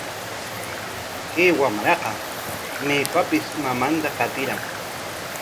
Kay wamraqa maypapis mamanta qatiran.